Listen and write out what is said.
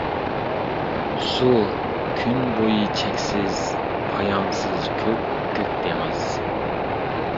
سۇ كۈن بويى چەكسىز، پايانسىز كۆپكۆك دېڭىز.